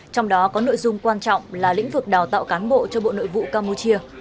trong đó có nội dung quan trọng là lĩnh vực đào tạo cán bộ cho bộ nội vụ campuchia